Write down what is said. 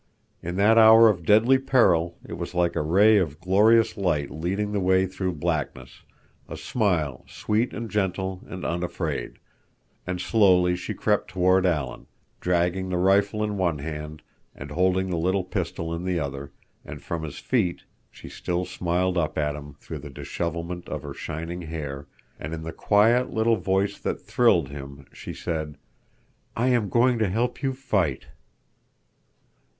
In that hour of deadly peril it was like a ray of glorious light leading the way through blackness, a smile sweet and gentle and unafraid; and slowly she crept toward Alan, dragging the rifle in one hand and holding the little pistol in the other, and from his feet she still smiled up at him through the dishevelment of her shining hair, and in a quiet, little voice that thrilled him, she said, "I am going to help you fight."